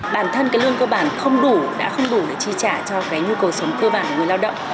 bản thân cái lương cơ bản không đủ đã không đủ để chi trả cho cái nhu cầu sống cơ bản của người lao động